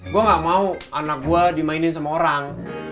gue gak mau anak gue dimainin sama orang